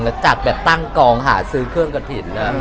แล้วจัดแบบตั้งกองหาซื้อเครื่องกระถิ่น